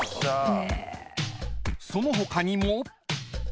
［その他にも］